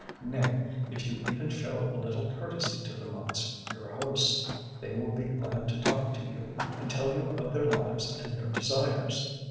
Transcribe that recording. Nay, if you even show a little courtesy to the monks, your hosts, they will be glad to talk to you and tell you of their lives and their desires.